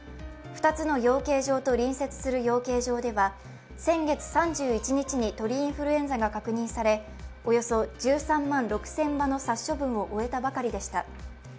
２つの養鶏場と隣接する養鶏場では先月３１日に鳥インフルエンザが確認され、およそ１３万６０００羽の殺処分を終えたばかりでした。